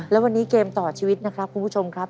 และวันนี้เกมต่อชีวิตนะครับคุณผู้ชมครับ